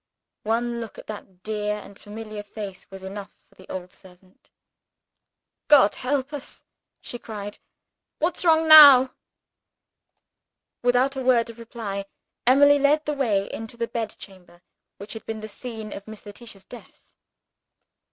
One look at that dear and familiar face was enough for the old servant. "God help us," she cried, "what's wrong now?" Without a word of reply, Emily led the way into the bedchamber which had been the scene of Miss Letitia's death.